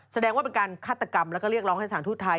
แสดงว่าเป็นการฆาตกรรมแล้วก็เรียกร้องให้สถานทูตไทย